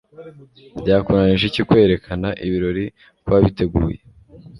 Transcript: Byakunanije iki kwerekana ibirori uko wabiteguye,